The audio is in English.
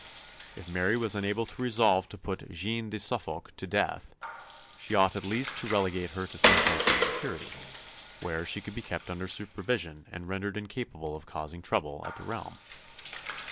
If Mary was unable to resolve to put "Jeanne de Suffolck" to death, she ought at least to relegate her to some place of security, where she could be kept under supervision and rendered incapable of causing trouble in the realm.